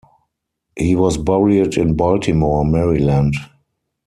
He was buried in Baltimore, Maryland.